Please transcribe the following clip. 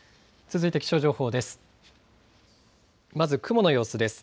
続いて気象情報です。